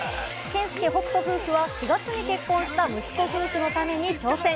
健介・北斗夫婦は４月に結婚した息子夫婦のために挑戦。